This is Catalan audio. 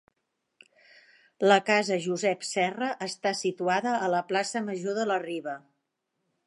La casa Josep Serra està situada a la plaça Major de la Riba.